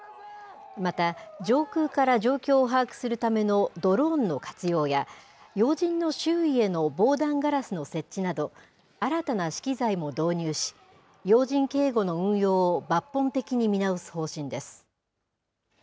また、上空から状況を把握するためのドローンの活用や、要人の周囲への防弾ガラスの設置など、新たな資機材も導入し、要人警護の運用を抜本的に見直す方針です。